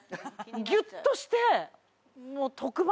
ギュっとして。